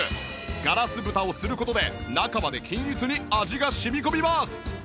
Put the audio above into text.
ガラス蓋をする事で中まで均一に味が染み込みます